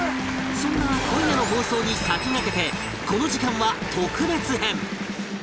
そんな今夜の放送に先駆けてこの時間は特別編